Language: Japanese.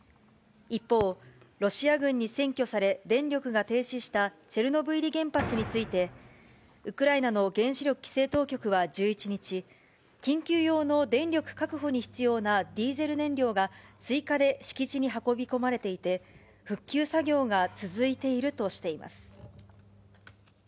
一方、ロシア軍に占拠され、電力が停止したチェルノブイリ原発について、ウクライナの原子力規制当局は１１日、緊急用の電力確保に必要なディーゼル燃料が、追加で敷地に運び込まれていて、復旧作業が続いているとしています。